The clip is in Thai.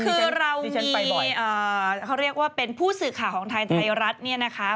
คือเราเขาเรียกว่าเป็นผู้สื่อข่าวของไทยไทยรัฐเนี่ยนะคะ